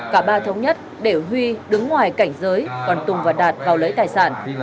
cả ba thống nhất để huy đứng ngoài cảnh giới còn tùng và đạt vào lấy tài sản